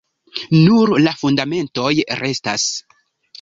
Nur la fundamentoj restas.